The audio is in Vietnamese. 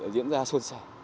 diễn ra xuân sẻ